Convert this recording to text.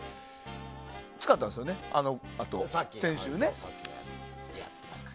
使ったんですよね、先週ね。